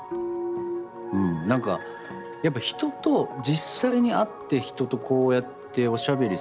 うんなんかやっぱ人と実際に会って人とこうやっておしゃべりすると